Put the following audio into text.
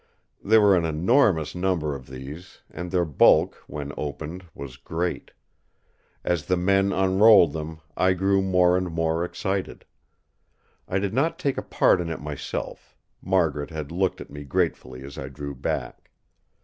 There were an enormous number of these, and their bulk when opened was great. As the men unrolled them, I grew more and more excited. I did not take a part in it myself; Margaret had looked at me gratefully as I drew back.